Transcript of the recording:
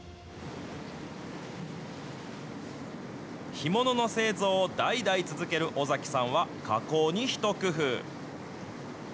干物の製造を代々続ける尾崎さんは、加工にひと工夫。